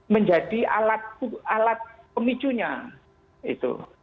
menjadi alat pemicunya itu